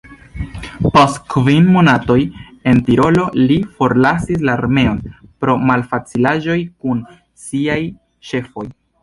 Post kvin monatoj en Tirolo li forlasis la armeon, pro malfacilaĵoj kun siaj ĉefoj.